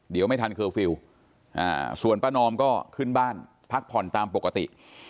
เดี๋ยวไม่ทันเคอร์ฟิลล์ส่วนป้านอมก็ขึ้นบ้านพักผ่อนตามปกติ